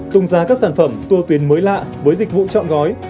tung ra các sản phẩm tua tuyến mới lạ với dịch vụ chọn gói